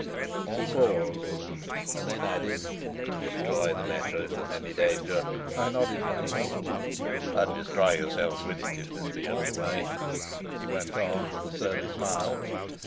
He paused, and then added: "Destroy the letter if there's any danger." I nodded my head. "And destroy yourself with it, if there's the only way," he went on with a surly smile.